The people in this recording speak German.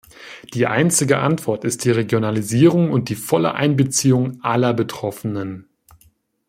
Die einzige Antwort ist die Regionalisierung und die volle Einbeziehung aller Betroffenen.